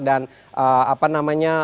dan apa namanya